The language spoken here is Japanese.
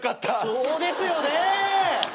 そうですよね？